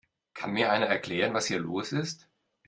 Kann mir einer erklären, was hier los ist?